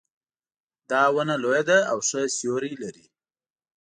دا ونه لویه ده او ښه سیوري لري